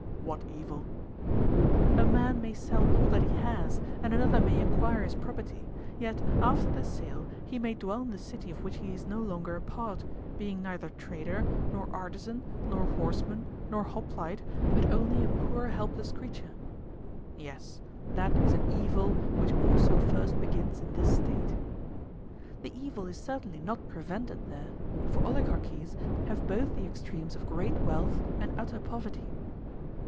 What evil? A man may sell all that he has, and another may acquire his property; yet after the sale he may dwell in the city of which he is no longer a part, being neither trader, nor artisan, nor horseman, nor hoplite, but only a poor, helpless creature. Yes, that is an evil which also first begins in this State. The evil is certainly not prevented there; for oligarchies have both the extremes of great wealth and utter poverty.